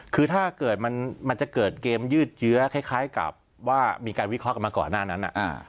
คือถ้าเกิดมันจะเกิดเกมยืดเยื้อคล้ายกับว่ามีการวิเคราะห์กันมาก่อนหน้านั้น